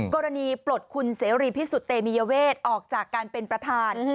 ปลดคุณเสรีพิสุทธิ์เตมียเวทออกจากการเป็นประธาน